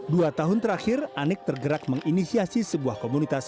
dua tahun terakhir anik tergerak menginisiasi sebuah komunitas